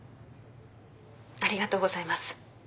ありがとうございます。